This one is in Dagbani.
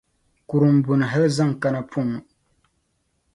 kurimbuni hal zaŋ kana pɔŋɔ.